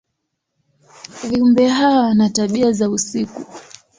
Viumbe hawa wana tabia za usiku.